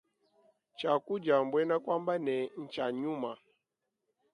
Tshiakudia buena kuamba ne tshia nyuma.